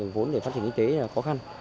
vốn để phát triển kinh tế là khó khăn